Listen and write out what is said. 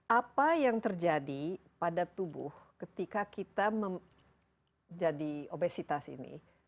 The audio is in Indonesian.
apa yang terjadi pada tubuh ketika kita menjadi obesitas ini